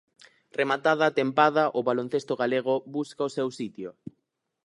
Rematada a tempada, o baloncesto galego busca o seu sitio.